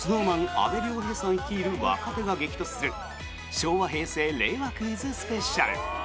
阿部亮平さん率いる若手が激突する昭和、平成、令和クイズスペシャル。